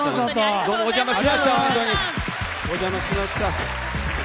どうも、お邪魔しました。